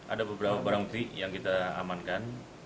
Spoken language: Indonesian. ada beberapa barang bukti yang kita amankan